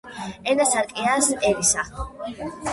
ენა სარკეა ერისა